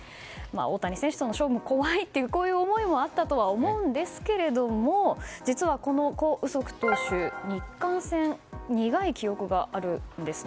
大谷選手の勝負が怖いという思いもあったとは思うんですけれども実は、コ・ウソク投手日韓戦に苦い記憶があるんです。